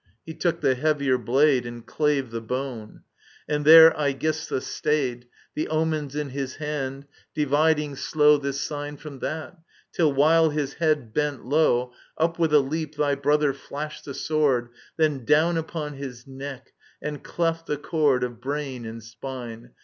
He took the heavier blade. And clave the bone. And there Aegisthus stayed. The omens in his hand, dividing slow This sign from that ; till, while his head bent low. Digitized by VjOOQIC ELECTRA 55 Up with a leap thy brother flashed the sword, Then down upon his neck, and cleft the cord Of brain and spine.